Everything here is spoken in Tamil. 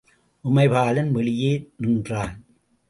உமைபாலன் வெளியே நின்றான்.